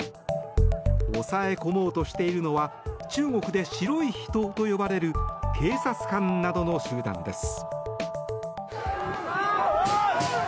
抑え込もうとしているのは中国で白い人と呼ばれる警察官などの集団です。